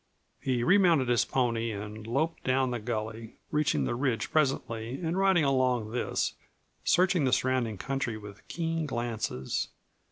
He remounted his pony and loped down the gully, reaching the ridge presently and riding along this, searching the surrounding country with keen glances.